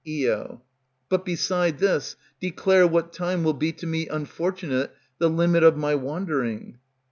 Io. But beside this, declare what time will be To me unfortunate the limit of my wandering.